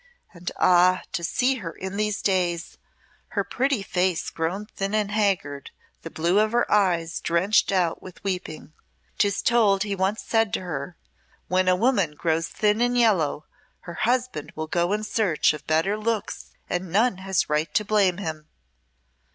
And ah! to see her in these days her pretty face grown thin and haggard, the blue of her eyes drenched out with weeping. 'Tis told he once said to her, 'When a woman grows thin and yellow, her husband will go in search of better looks, and none has right to blame him.'